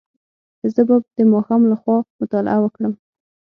زه به د ماښام له خوا مطالعه وکړم.